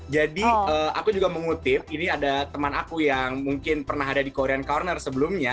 jadi aku juga mengutip ini ada teman aku yang mungkin pernah ada di korean corner sebelumnya